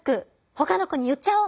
ほかの子に言っちゃおう！」